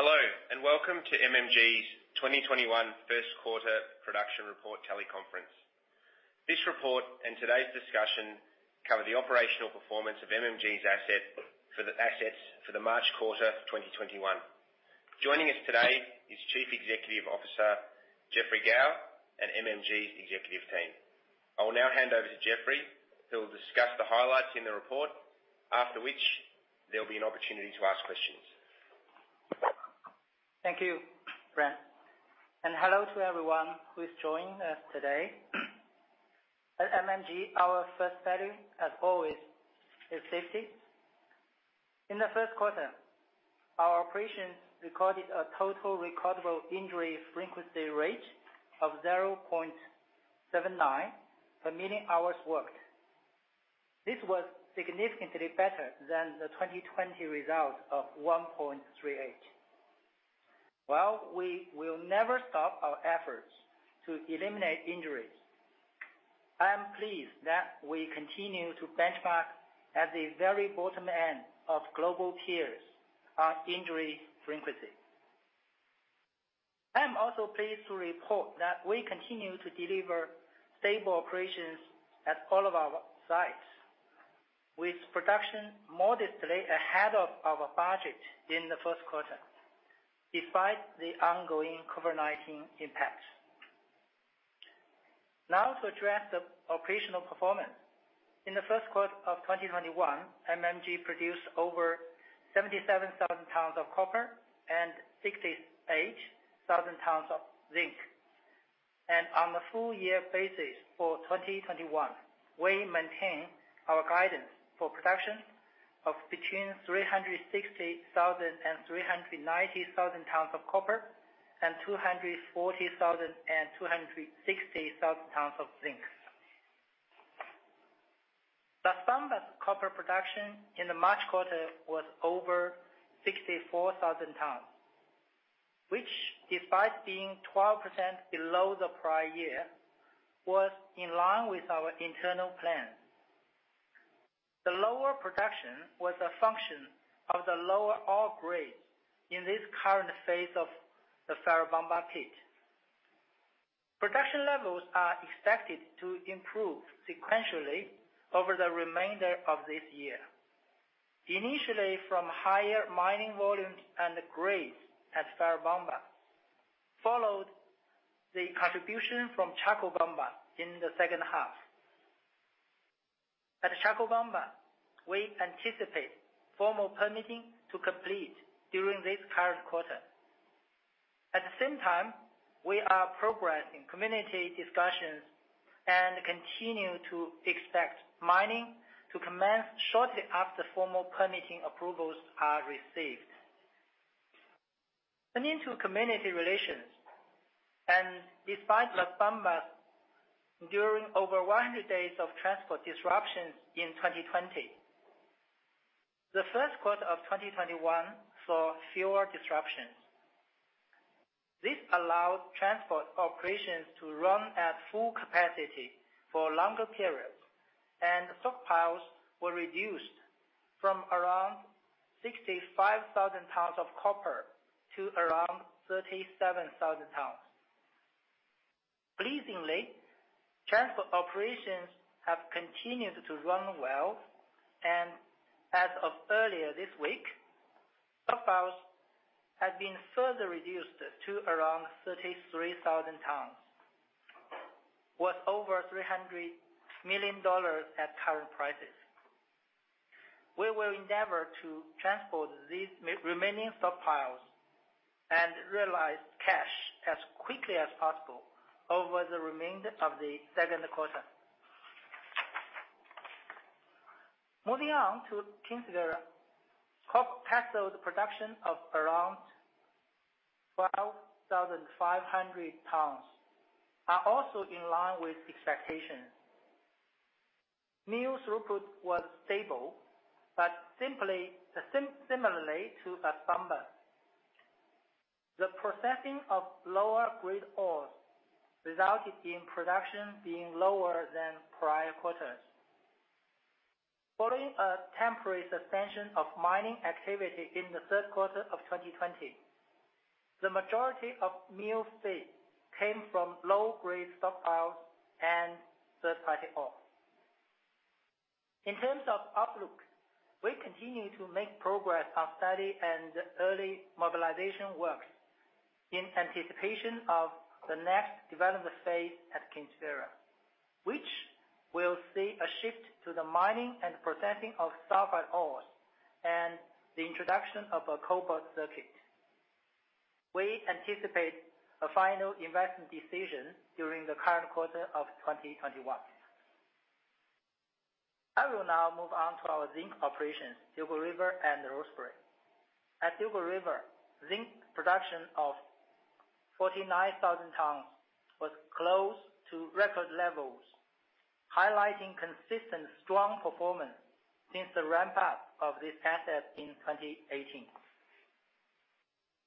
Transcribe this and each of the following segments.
Hello, and welcome to MMG's 2021 first quarter production report teleconference. This report and today's discussion cover the operational performance of MMG's assets for the March quarter of 2021. Joining us today is Chief Executive Officer, Geoffrey Gao, and MMG's executive team. I will now hand over to Geoffrey, who will discuss the highlights in the report, after which there'll be an opportunity to ask questions. Thank you, Brent. Hello to everyone who is joining us today. At MMG, our first value, as always, is safety. In the first quarter, our operations recorded a total recordable injury frequency rate of 0.79 per million hours worked. This was significantly better than the 2020 result of 1.38. While we will never stop our efforts to eliminate injuries, I am pleased that we continue to benchmark at the very bottom end of global tiers on injury frequency. I am also pleased to report that we continue to deliver stable operations at all of our sites, with production modestly ahead of our budget in the first quarter, despite the ongoing COVID-19 impact. To address the operational performance. In the first quarter of 2021, MMG produced over 77,000 tons of copper and 68,000 tons of zinc. On a full year basis for 2021, we maintain our guidance for production of between 360,000 and 390,000 tons of copper, and 240,000 and 260,000 tons of zinc. Las Bambas copper production in the March quarter was over 64,000 tons, which despite being 12% below the prior year, was in line with our internal plan. The lower production was a function of the lower ore grade in this current phase of the Ferrobamba pit. Production levels are expected to improve sequentially over the remainder of this year. Initially from higher mining volumes and grades at Ferrobamba, followed the contribution from Chalcobamba in the second half. At Chalcobamba, we anticipate formal permitting to complete during this current quarter. At the same time, we are progressing community discussions and continue to expect mining to commence shortly after formal permitting approvals are received. Turning to community relations. Despite Las Bambas enduring over 100 days of transport disruptions in 2020, the first quarter of 2021 saw fewer disruptions. This allowed transport operations to run at full capacity for longer periods, and stockpiles were reduced from around 65,000 tons of copper to around 37,000 tons. Pleasingly, transport operations have continued to run well, and as of earlier this week, stockpiles had been further reduced to around 33,000 tons, worth over $300 million at current prices. We will endeavor to transport these remaining stockpiles and realize cash as quickly as possible over the remainder of the second quarter. Moving on to Kinsevere. Copper cathode production of around 12,500 tons are also in line with expectations. Mill throughput was stable, but similarly to Las Bambas, the processing of lower-grade ores resulted in production being lower than prior quarters. Following a temporary suspension of mining activity in the third quarter of 2020, the majority of mill feed came from low-grade stockpiles and third-party ore. In terms of outlook, we continue to make progress on study and early mobilization works in anticipation of the next development phase at Kinsevere, which will see a shift to the mining and processing of sulfide ores and the introduction of a cobalt circuit. We anticipate a final investment decision during the current quarter of 2021. I will now move on to our zinc operations, Dugald River and Rosebery. At Dugald River, zinc production of 49,000 tons was close to record levels, highlighting consistent strong performance since the ramp-up of this asset in 2018.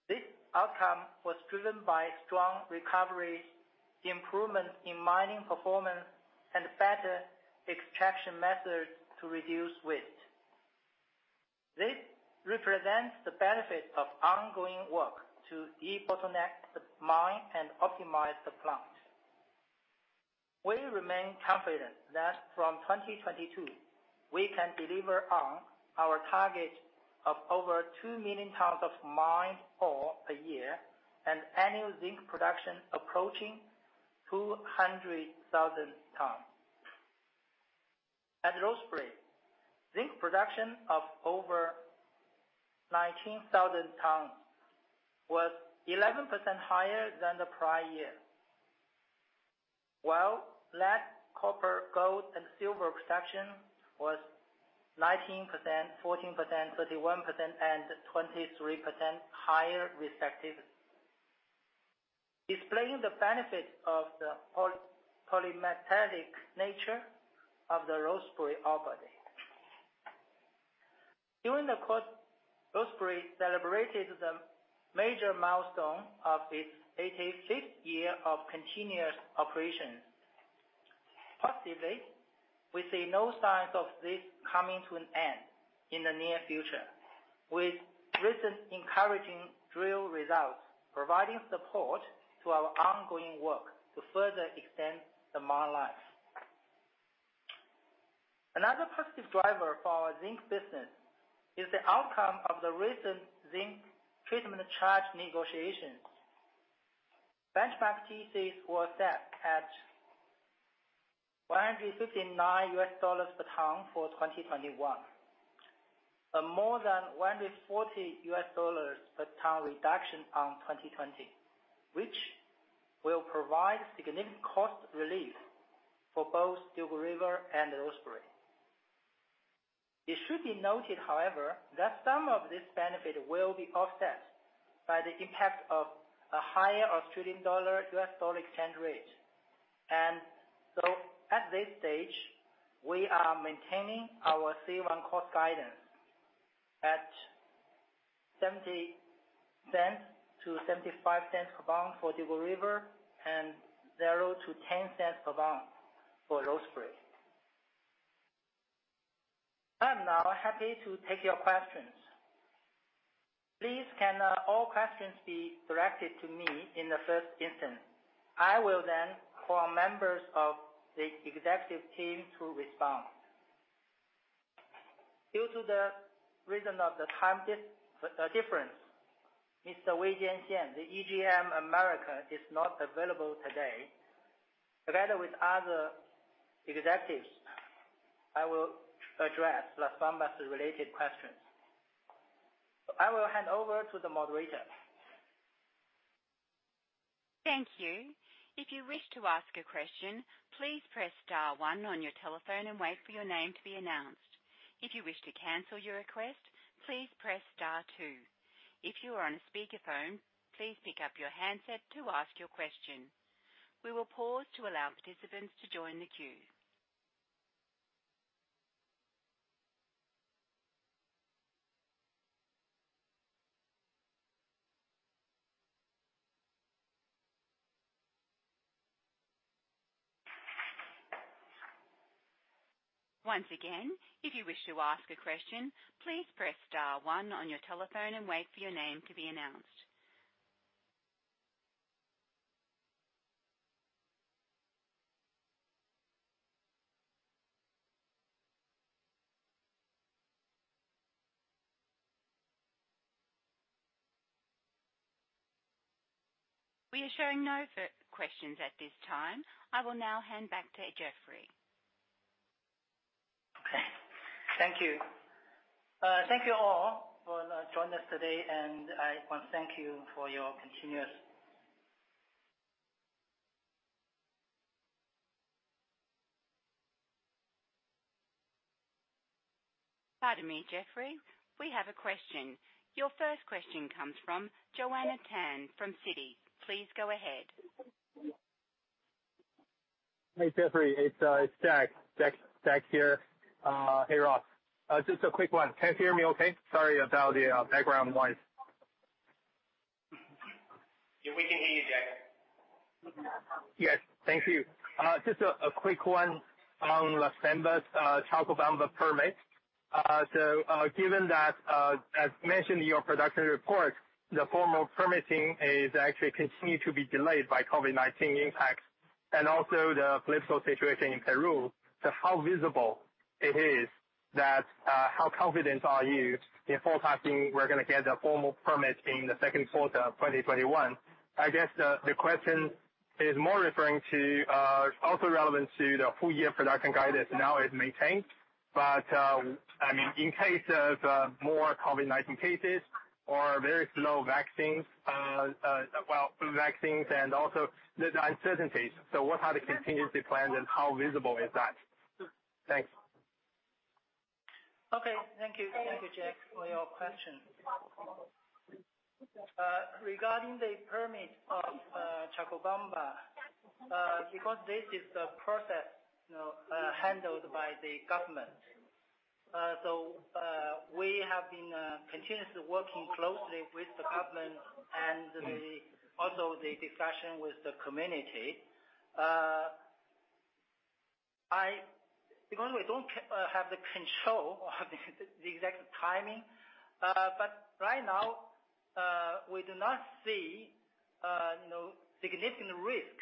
This outcome was driven by strong recoveries, improvement in mining performance and better extraction methods to reduce waste. This represents the benefit of ongoing work to debottleneck the mine and optimize the plant. We remain confident that from 2022, we can deliver on our target of over 2 million tons of mined ore a year, and annual zinc production approaching 200,000 tons. At Rosebery, zinc production of over 19,000 tons was 11% higher than the prior year. While lead, copper, gold, and silver production was 19%, 14%, 31%, and 23% higher respectively. Displaying the benefits of the polymetallic nature of the Rosebery ore body. During the quarter, Rosebery celebrated the major milestone of its 85th year of continuous operation. Positively, we see no signs of this coming to an end in the near future, with recent encouraging drill results providing support to our ongoing work to further extend the mine life. Another positive driver for our zinc business is the outcome of the recent zinc treatment charge negotiations. Benchmark TC was set at $159 per ton for 2021. A more than $140 per ton reduction on 2020, which will provide significant cost relief for both Dugald River and Rosebery. It should be noted, however, that some of this benefit will be offset by the impact of a higher Australian dollar-U.S. dollar exchange rate. At this stage, we are maintaining our C1 cost guidance at $0.70-$0.75 per pound for Dugald River and $0.00-$0.10 per pound for Rosebery. I'm now happy to take your questions. Please, can all questions be directed to me in the first instance. I will then call members of the executive team to respond. Due to the reason of the time difference, Mr. Wei Jianxian, the EGM Americas, is not available today. Together with other executives, I will address Las Bambas related questions. I will hand over to the moderator. Thank you. If you wish to ask a question, please press star one on your telephone and wait for your name to be announced. If you wish to cancel your request, please press star two. If you are on a speakerphone, please pick up your handset to ask your question. We will pause to allow participants to join the queue. Once again, if you wish to ask a question, please press star one on your telephone and wait for your name to be announced. We are showing no questions at this time. I will now hand back to Geoffrey. Okay. Thank you. Thank you all for joining us today. Pardon me, Geoffrey. We have a question. Your first question comes from Joanna Tan from Citi. Please go ahead. Hey, Geoffrey. It's Jack. Jack here. Hey, Ross. Just a quick one. Can you hear me okay? Sorry about the background noise. Yeah, we can hear you, Jack. Yes. Thank you. Just a quick one on Las Bambas, Chalcobamba permit. Given that, as mentioned in your production report, the formal permitting is actually continue to be delayed by COVID-19 impacts and also the political situation in Peru, how confident are you in forecasting we're going to get the formal permit in the second quarter of 2021? I guess the question is more referring to, also relevant to the full year production guidance now is maintained. In case of more COVID-19 cases or very slow vaccines, and also the uncertainties, what are the contingency plans and how visible is that? Thanks. Okay. Thank you. Thank you, Jack, for your question. Regarding the permit of Chalcobamba, this is a process handled by the government. We have been continuously working closely with the government and also the discussion with the community. We don't have the control or have the exact timing, but right now, we do not see significant risk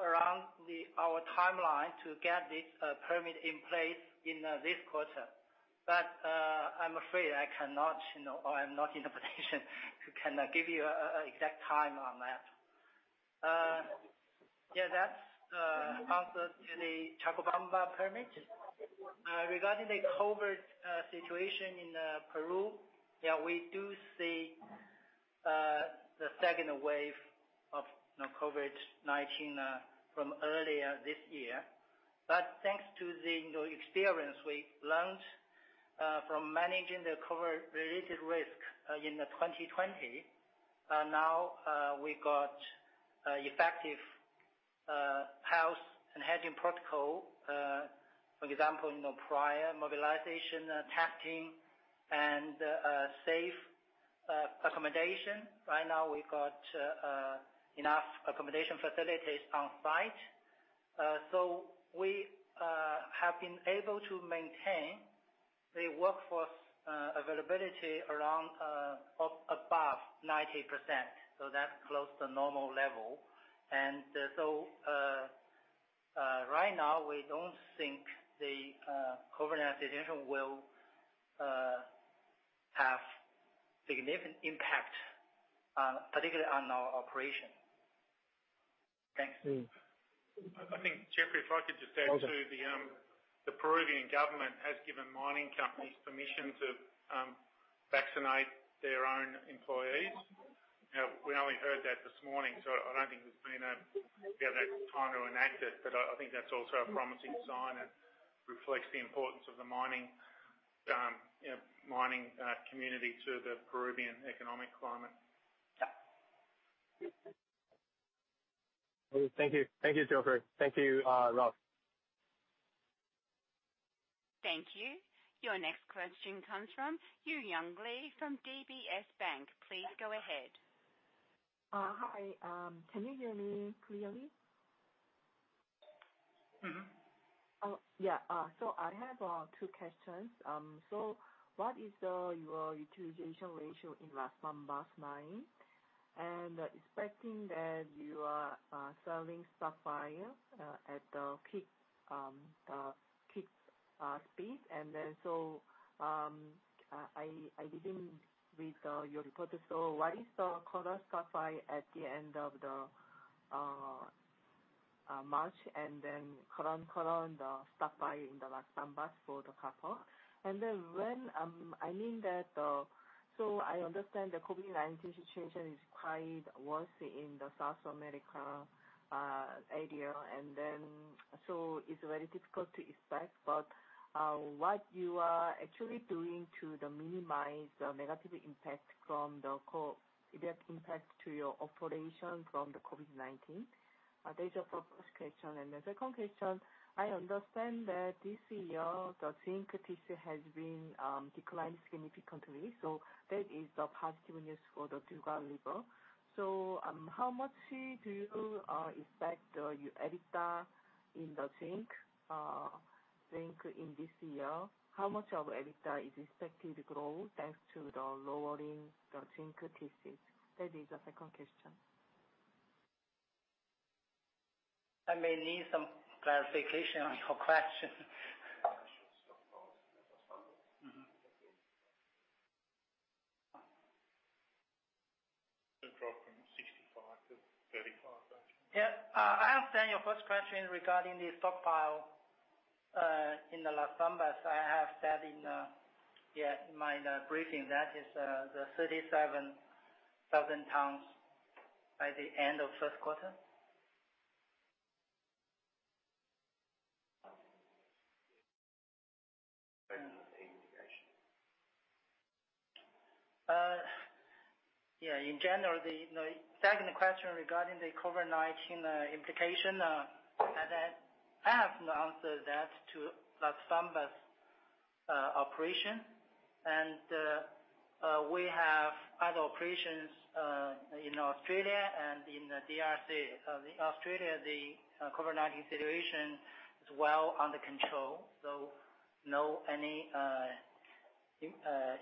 around our timeline to get this permit in place in this quarter. I'm afraid I am not in a position to give you an exact time on that. That's the answer to the Chalcobamba permit. Regarding the COVID situation in Peru, we do see the second wave of COVID-19 from earlier this year. Thanks to the experience we learned from managing the COVID-related risk in 2020, now we got effective health and hygiene protocol. For example, prior mobilization testing and safe accommodation. Right now, we've got enough accommodation facilities on-site. We have been able to maintain the workforce availability above 90%. That's close to normal level. Right now, we don't think the COVID-19 situation will have significant impact, particularly on our operation. Thanks. I think, Geoffrey, if I could just add, too. Okay. The Peruvian government has given mining companies permission to vaccinate their own employees. We only heard that this morning, so I don't think there's been enough time to enact it. I think that's also a promising sign and reflects the importance of the mining community to the Peruvian economic climate. Yeah. Thank you, Geoffrey. Thank you, Ross. Thank you. Your next question comes from Eunyoung Lee from DBS Bank. Please go ahead. Hi. Can you hear me clearly? Mm-hmm. I have two questions. What is your utilization ratio in Las Bambas mine? Expecting that you are selling stockpile at the peak speed. I didn't read your report. What is the current stockpile at the end of March, and then current stockpile in the Las Bambas for the copper? I understand the COVID-19 situation is quite worse in the South America area, and then so it's very difficult to expect. What you are actually doing to minimize the negative impact to your operation from the COVID-19? That is the first question. The second question, I understand that this year, the zinc TCs has been declined significantly, so that is the positive news for the 2020 level. How much do you expect your EBITDA in the zinc in this year? How much of EBITDA is expected to grow, thanks to the lowering the zinc TCs? That is the second question. I may need some clarification on your question. It dropped from 65 to 37 I think. I understand your first question regarding the stockpile in the Las Bambas. I have said in my briefing that is the 37,000 tons by the end of first quarter. Question of the implication. Yeah. In general, the second question regarding the COVID-19 implication, I have the answer that to Las Bambas operation. We have other operations in Australia and in the DRC. In Australia, the COVID-19 situation is well under control, so no any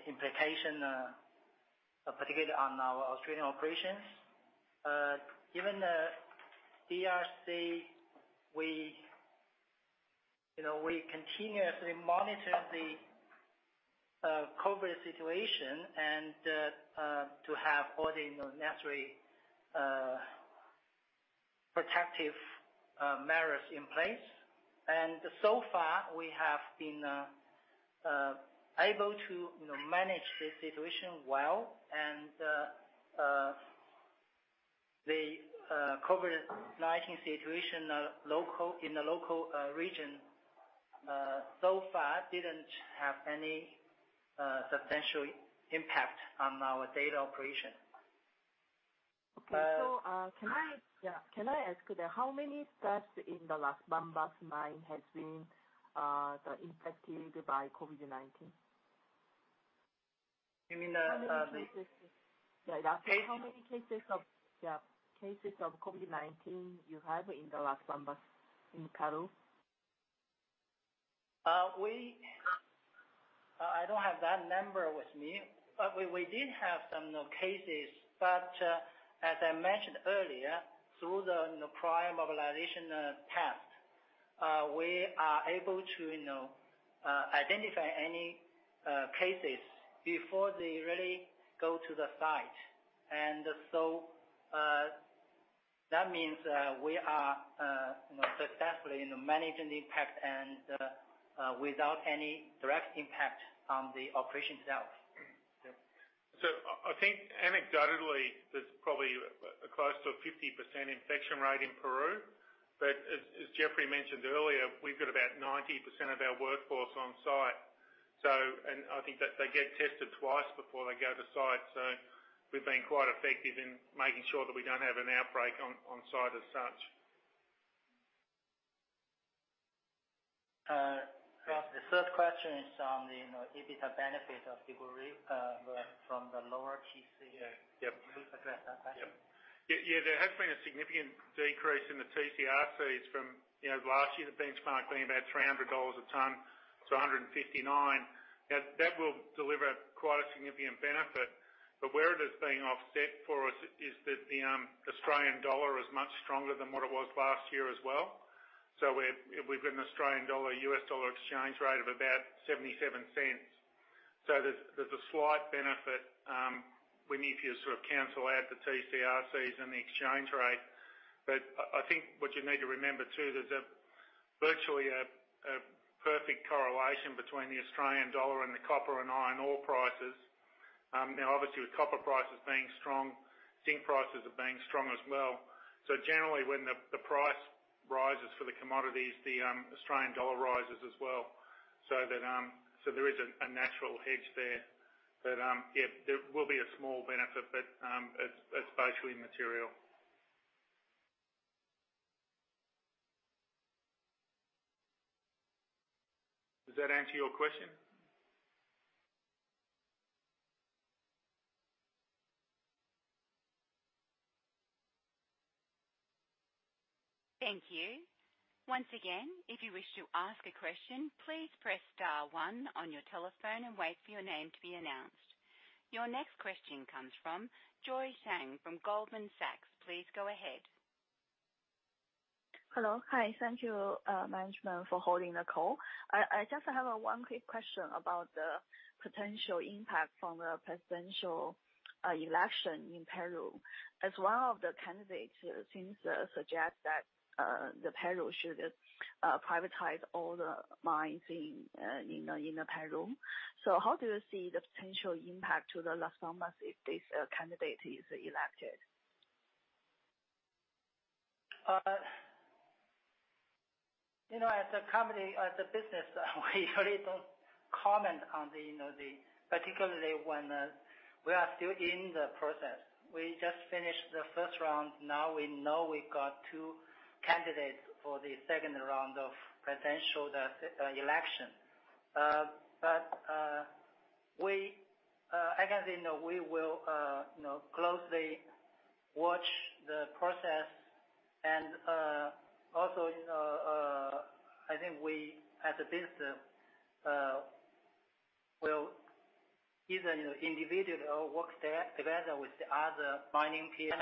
implication, particularly on our Australian operations. Given the DRC, we continuously monitor the COVID situation and to have all the necessary protective measures in place. So far, we have been able to manage the situation well. The COVID-19 situation in the local region so far didn't have any substantial impact on our daily operation. Okay. Can I ask how many staffs in the Las Bambas mine have been infected by COVID-19? You mean? How many cases? Yeah. How many cases of COVID-19 you have in the Las Bambas in Peru? I don't have that number with me, but we did have some cases. As I mentioned earlier, through the prior mobilization test, we are able to identify any cases before they really go to the site. That means we are successfully managing the impact and without any direct impact on the operation itself. I think anecdotally, there's probably close to a 50% infection rate in Peru. As Geoffrey mentioned earlier, we've got about 90% of our workforce on site. I think that they get tested twice before they go to site. We've been quite effective in making sure that we don't have an outbreak on site as such. Ross, the third question is on the EBITDA benefit of the zinc from the lower TC. Yep. Can you please address that question? Yeah. There has been a significant decrease in the TCRCs from last year, the benchmark being about $300 a ton to $159. That will deliver quite a significant benefit. Where it is being offset for us is that the Australian dollar is much stronger than what it was last year as well. We've got an Australian dollar, U.S. dollar exchange rate of about $0.77. There's a slight benefit, when if you sort of cancel out the TCRCs and the exchange rate. I think what you need to remember, too, there's virtually a perfect correlation between the Australian dollar and the copper and iron ore prices. Obviously, with copper prices being strong, zinc prices are being strong as well. Generally, when the price rises for the commodities, the Australian dollar rises as well. There is a natural hedge there. Yeah, there will be a small benefit, but it's virtually immaterial. Does that answer your question? Thank you. Once again, if you wish to ask a question, please press star one on your telephone and wait for your name to be announced. Your next question comes from Joy Zhang from Goldman Sachs. Please go ahead. Hello. Hi. Thank you, management, for holding the call. I just have one quick question about the potential impact from the presidential election in Peru, as one of the candidates seems to suggest that Peru should privatize all the mines in Peru. How do you see the potential impact to Las Bambas if this candidate is elected? As a business, we really don't comment on the, particularly when we are still in the process. We just finished the first round. We know we got two candidates for the second round of presidential election. Again, we will closely watch the process. Also, I think we, as a business, will, either individually or work together with the other mining peers.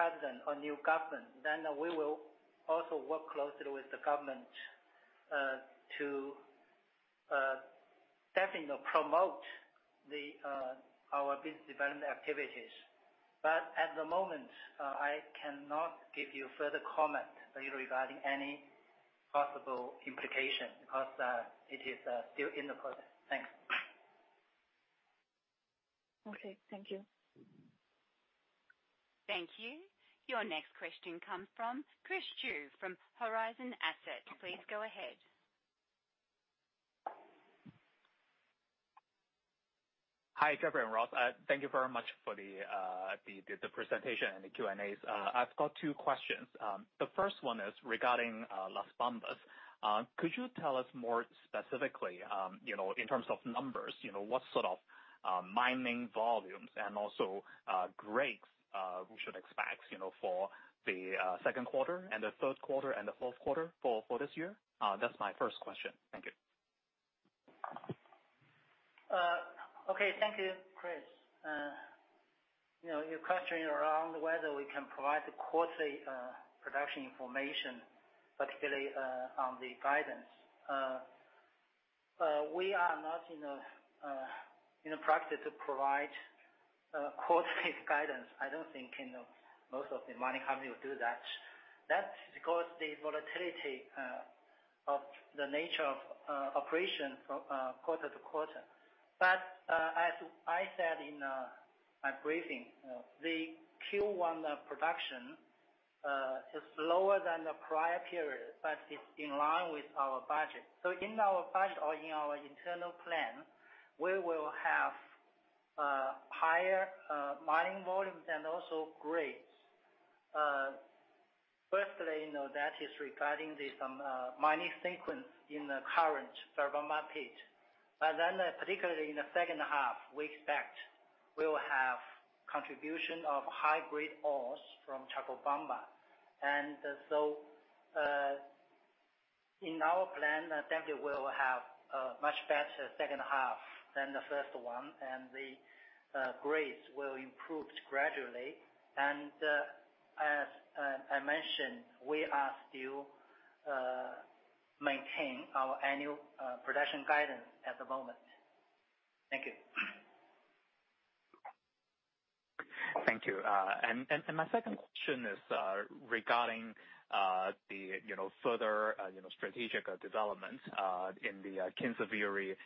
The new president or new government, we will also work closely with the government to definitely promote our business development activities. At the moment, I cannot give you further comment regarding any possible implication because it is still in the process. Thanks. Okay. Thank you. Thank you. Your next question comes from Chris Shiu from Horizon Asset. Please go ahead. Hi, Geoffrey and Ross. Thank you very much for the presentation and the Q&As. I've got two questions. The first one is regarding Las Bambas. Could you tell us more specifically, in terms of numbers, what sort of mining volumes and also grades we should expect for the second quarter and the third quarter and the fourth quarter for this year? That's my first question. Thank you. Okay. Thank you, Chris. Your question around whether we can provide the quarterly production information, particularly on the guidance. We are not in a practice to provide quarterly guidance. I don't think most of the mining companies do that. That's because the volatility of the nature of operation from quarter to quarter. As I said in my briefing, the Q1 production is lower than the prior period, but it's in line with our budget. In our budget or in our internal plan, we will have higher mining volumes and also grades. Firstly, that is regarding this mining sequence in the current Ferrobamba pit. Particularly in the second half, we expect we will have contribution of high-grade ores from Chalcobamba. In our plan, definitely we will have a much better second half than the first one, and the grades will improve gradually. As I mentioned, we are still maintaining our annual production guidance at the moment. Thank you. Thank you. My second question is regarding the further strategic development in the Kinsevere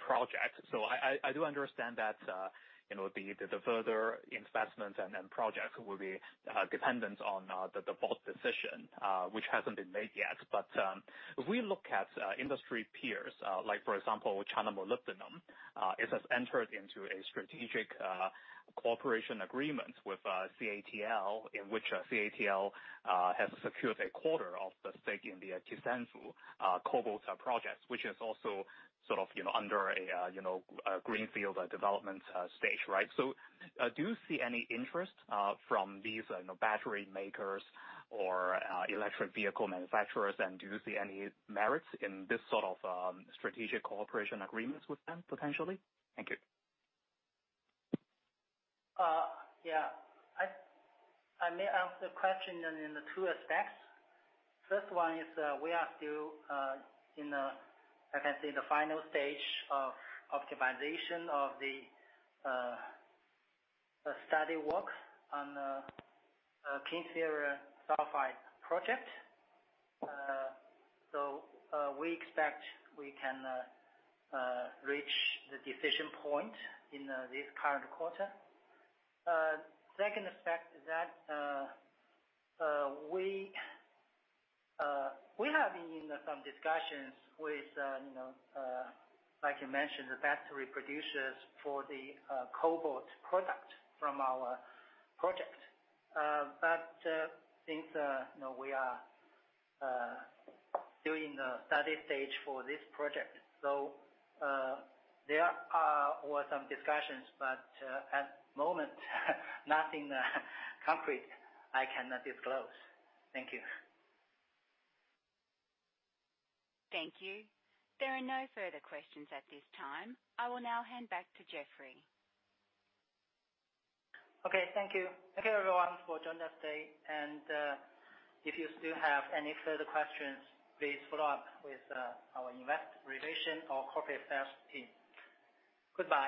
project. I do understand that the further investment and project will be dependent on the final decision, which hasn't been made yet. If we look at industry peers, like for example, China Molybdenum, it has entered into a strategic cooperation agreement with CATL, in which CATL has secured a quarter of the stake in the Kisanfu cobalt project, which is also under a greenfield development stage, right? Do you see any interest from these battery makers or electric vehicle manufacturers, and do you see any merits in this sort of strategic cooperation agreements with them, potentially? Thank you. Yeah. I may answer the question in two aspects. First one is, we are still in the, I can say, the final stage of optimization of the study work on the Kinsevere sulfide project. We expect we can reach the decision point in this current quarter. Second aspect is that we have been in some discussions with, like you mentioned, the battery producers for the cobalt product from our project. Since we are still in the study stage for this project. There were some discussions, but at the moment, nothing concrete I can disclose. Thank you. Thank you. There are no further questions at this time. I will now hand back to Geoffrey. Okay, thank you. Thank you everyone for joining us today, and if you still have any further questions, please follow up with our investor relations or corporate affairs team. Goodbye.